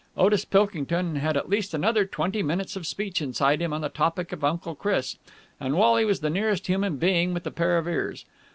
Otis Pilkington had at least another twenty minutes of speech inside him on the topic of Uncle Chris, and Wally was the nearest human being with a pair of ears.